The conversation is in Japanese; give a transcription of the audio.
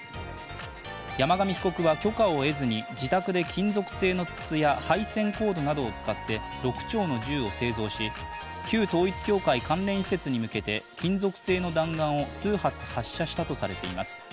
山上被告は許可を得ずに自宅で金属製の筒や配線コードなどを使って６丁の銃を製造し旧統一教会関連施設に向けて金属製の弾丸を数発発射したとされています。